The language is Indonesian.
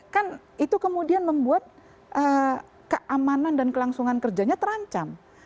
kan itu kemudian membuat keamanan dan kelangsungan kerjanya terancam